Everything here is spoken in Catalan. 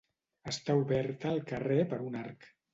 Està oberta al carrer per un arc.